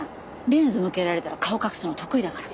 レンズ向けられたら顔隠すの得意だから。